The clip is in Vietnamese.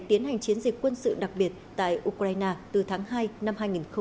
tiến hành chiến dịch quân sự đặc biệt tại ukraine từ tháng hai năm hai nghìn hai mươi